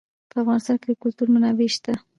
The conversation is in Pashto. په افغانستان کې د کلتور منابع شته.